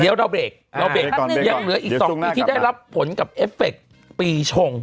เดี๋ยวเราเบรกยังเหลืออีกสองปีที่ได้รับผลกับเอฟเฟกต์ปีชง